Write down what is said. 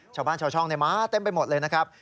ชาวบ้านชาวช่องมาเต็มไปหมดเลยนะครับ